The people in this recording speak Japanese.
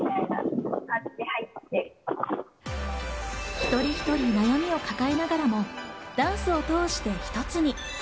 一人一人悩みを抱えながらもダンスを通して一つに。